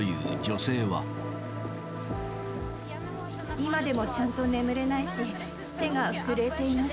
今でもちゃんと眠れないし、手が震えています。